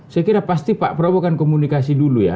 saya kira pasti pak prabowo akan komunikasi dulu ya